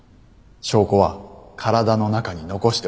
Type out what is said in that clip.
証拠は体の中に残しておくので。